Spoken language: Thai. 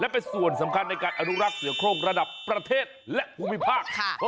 เพราะเผอระดับโลก